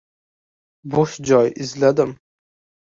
Bo‘sh joy izladim.